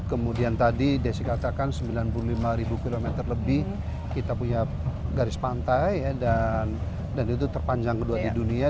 kemudian tadi desi katakan sembilan puluh lima km lebih kita punya garis pantai dan itu terpanjang kedua di dunia